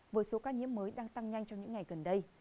với số ca nhiễm mới đang tăng nhanh trong những ngày gần đây